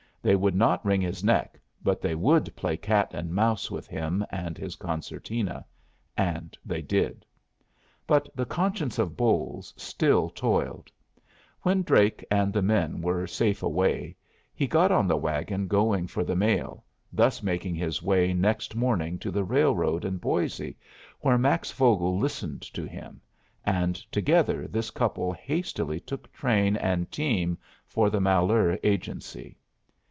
They would not wring his neck, but they would play cat and mouse with him and his concertina; and they did. But the conscience of Bolles still toiled. When Drake and the men were safe away, he got on the wagon going for the mail, thus making his way next morning to the railroad and Boise, where Max Vogel listened to him; and together this couple hastily took train and team for the Malheur Agency.